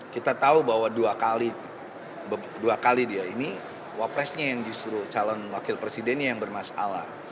kita tahu bahwa dua kali dia ini wapresnya yang justru calon wakil presidennya yang bermasalah